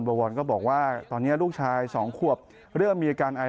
วรก็บอกว่าตอนนี้ลูกชาย๒ขวบเริ่มมีอาการไอ